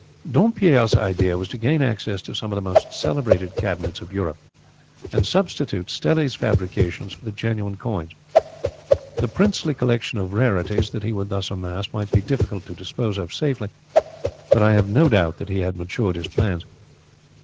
"Dompierre's idea was to gain access to some of the most celebrated cabinets of Europe and substitute Stelli's fabrications for the genuine coins. The princely collection of rarities that he would thus amass might be difficult to dispose of safely, but I have no doubt that he had matured his plans.